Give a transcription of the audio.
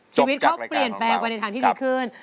ชีวิตเขาเปลี่ยนแปลงไปในทางที่ดีขึ้น